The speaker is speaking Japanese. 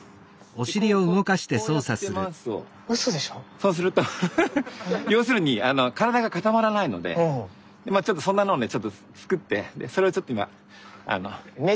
そうするとフフフッ要するにまあちょっとそんなのをねちょっと作ってそれをちょっと今。